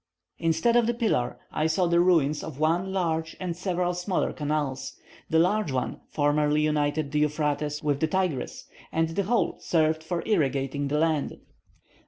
Instead of the pillar, I saw the ruins of one large and several smaller canals. The large one formerly united the Euphrates with the Tigris, and the whole served for irrigating the land.